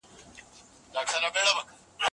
دا زموږ د کلتور تر ټولو ښکلې برخه ده.